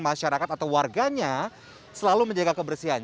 masyarakat atau warganya selalu menjaga kebersihan